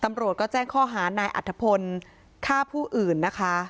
ตำรวจก็แจ้งข้อหานายอัฐพลฆ่าผู้อื่นนะคะ